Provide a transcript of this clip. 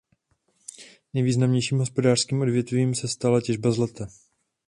Nejvýznamnějším hospodářským odvětvím se stala těžba zlata.